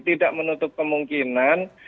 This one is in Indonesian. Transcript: tidak menutup kemungkinan